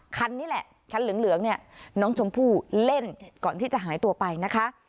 คันนี้แหละคันเหลืองเนี่ยน้องชมพู่เล่นก่อนที่จะหายตัวไปนะคะ